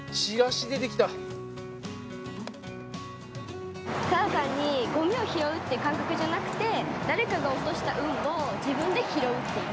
ただ単にごみを拾うって感覚じゃなくて、誰かが落とした運を自分で拾うっていう。